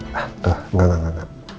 nah tuh enggak enggak enggak